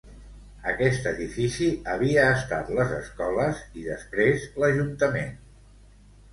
Aquest edifici havia estat les escoles i després l'ajuntament.